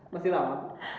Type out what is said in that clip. masih lama bu